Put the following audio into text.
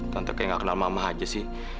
tante kayak gak kenal mama aja sih